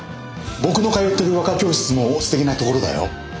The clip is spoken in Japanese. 僕の通ってる和歌教室もすてきなところだよ。